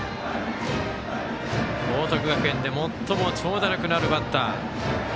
報徳学園で最も長打力のあるバッター。